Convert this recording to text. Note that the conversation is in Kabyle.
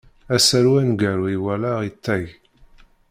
Asaru aneggaru i walaɣ iṭag.